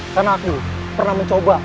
karena aku pernah mencoba